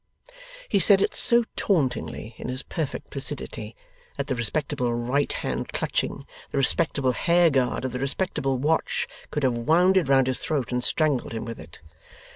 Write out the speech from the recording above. He said it so tauntingly in his perfect placidity, that the respectable right hand clutching the respectable hair guard of the respectable watch could have wound it round his throat and strangled him with it.